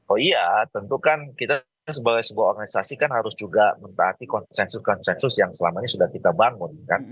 oh iya tentu kan kita sebagai sebuah organisasi kan harus juga mentaati konsensus konsensus yang selama ini sudah kita bangun kan